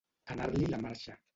Anar-li la marxa.